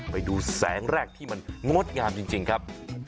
ไปดูแสงแรกที่มันงดงามจริงครับ